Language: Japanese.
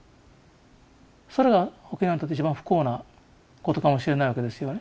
それが沖縄にとって一番不幸なことかもしれないわけですよね。